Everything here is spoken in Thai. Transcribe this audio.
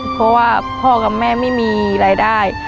เพราะว่าพ่อกับแม่ไม่มีรายได้